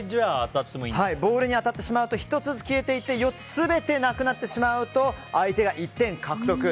ボールに当たってしまうと１つずつ消えていって４つ全てなくなってしまうと相手が１点獲得。